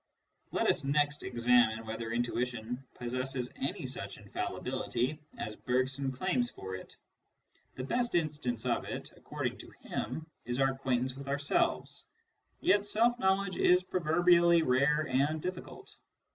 Let us next examine whether intuition possesses any such infallibility as Bergson claims for it. The best instance of it, according to him, is our acquaintance with ourselves ; yet self knowledge is proverbially rare and difficult.